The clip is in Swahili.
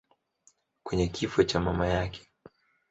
kwenye kifo cha mama yake.